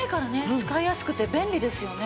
使いやすくて便利ですよね。